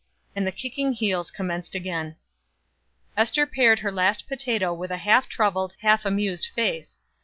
And the kicking heels commenced again. Ester pared her last potato with a half troubled, half amused face.